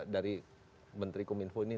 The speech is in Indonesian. dari menteri kominfo ini